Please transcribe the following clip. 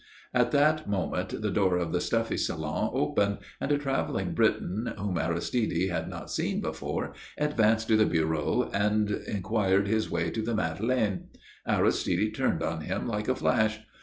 At that moment the door of the stuffy salon opened, and a travelling Briton, whom Aristide had not seen before, advanced to the bureau and inquired his way to the Madeleine. Aristide turned on him like a flash.